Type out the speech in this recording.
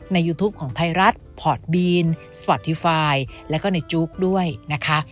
ยูทูปของไทยรัฐพอร์ตบีนสปอร์ตทีไฟล์แล้วก็ในจุ๊กด้วยนะคะ